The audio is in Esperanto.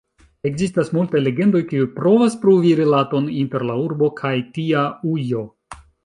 Ekzistas multaj legendoj, kiuj provas pruvi rilaton inter la urbo kaj tia ujo.